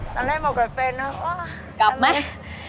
ทั้งแรกบอกกับเฟนว่ากับไหม